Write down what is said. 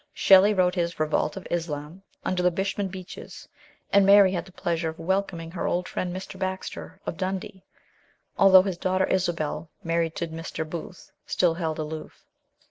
Shelley wrote his Revolt of Islam under the Bisham Beeches, and Mary had the pleasure of welcoming her old friend Mr. Baxter, of Dundee, although his daughter Isabel, married to Mr. Booth, still held aloof.